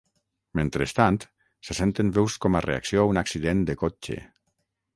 Mentrestant, se senten veus com a reacció a un accident de cotxe.